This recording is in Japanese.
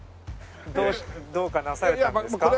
どうどうかなされたんですか？